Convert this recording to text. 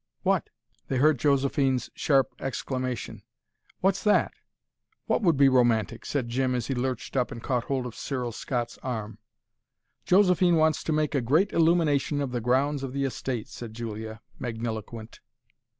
"What !" they heard Josephine's sharp exclamation. "What's that? What would be romantic?" said Jim as he lurched up and caught hold of Cyril Scott's arm. "Josephine wants to make a great illumination of the grounds of the estate," said Julia, magniloquent.